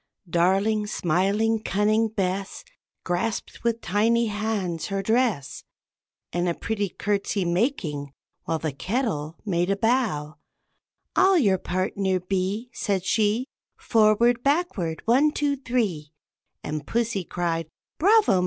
Darling, smiling, cunning Bess Grasped with tiny hands her dress, And a pretty courtesy making, while the kettle made a bow, "I'll your partner be," said she; "Forward, backward, one, two, three;" And pussy cried, "Bravo!